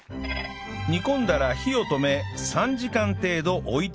煮込んだら火を止め３時間程度置いておき